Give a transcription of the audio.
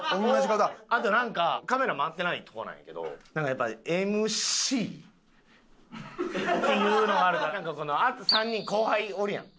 あとなんかカメラ回ってないとこなんやけどなんかやっぱＭＣっていうのがあるからなんかあと３人後輩おるやん。